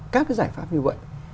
các cái giải pháp như vậy